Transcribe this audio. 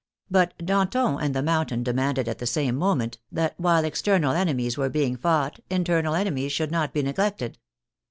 But Danton and the Moun tain demanded at the same moment that while external enemies were being fought internal enemies should not be neglected.